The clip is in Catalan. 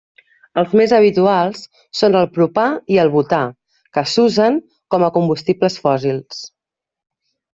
Els més habituals són el propà i el butà, que s'usen com a combustibles fòssils.